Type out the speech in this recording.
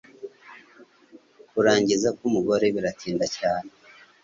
kurangiza k'umugore biratinda cyane